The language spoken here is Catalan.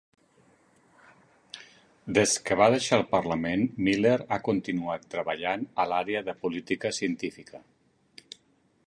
Des que va deixar el parlament Miller ha continuat treballant a l'àrea de la política científica.